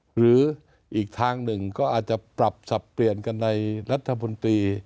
หรืออีกทางหนึ่งก็อาจจะปรับสับเปลี่ยนกันในรัฐบนตรี